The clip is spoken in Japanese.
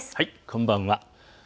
こんばんは。